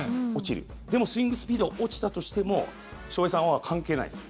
でも、スイングスピードが落ちたとしても翔平さんは関係ないです。